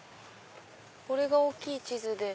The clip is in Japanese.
これが大きい地図で。